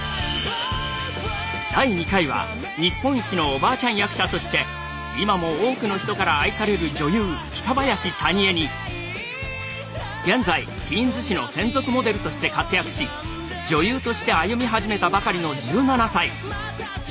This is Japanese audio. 第２回は日本一のおばあちゃん役者として今も多くの人から愛される女優北林谷栄に現在ティーンズ誌の専属モデルとして活躍し女優として歩み始めたばかりの１７歳。